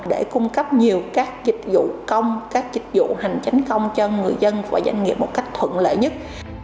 để cung cấp nhiều các dịch vụ công các dịch vụ hành tránh công cho người dân và doanh nghiệp một cách thuận lợi nhất